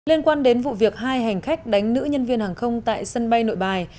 liên quan đến vụ việc hai hành khách đánh nữ nhân viên hàng không tại sân bay nội bài